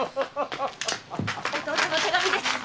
弟の手紙です！